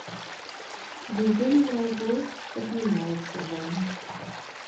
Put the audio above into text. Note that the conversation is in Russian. Безумная злость поднимается во мне.